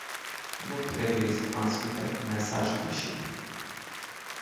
Nu trebuie să transmitem un mesaj greșit.